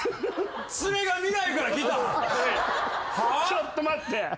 ちょっと待って。